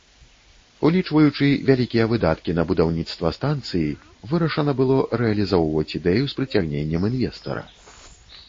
Улічваючы вялікія выдаткі на будаўніцтва станцыі, вырашана было рэалізоўваць ідэю з прыцягненнем інвестара.